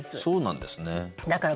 そうなんですね。